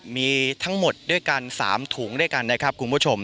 มีทั้งหมดด้วยกัน๓ถุงด้วยกันนะครับคุณผู้ชม